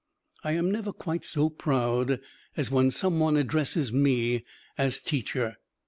I am never quite so proud as when some one addresses me as "teacher."